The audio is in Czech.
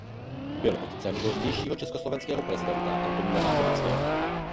Byl otcem pozdějšího československého prezidenta Antonína Zápotockého.